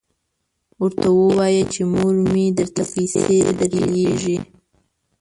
ورته ووایه چې مور مې درته پیسې درلیږي.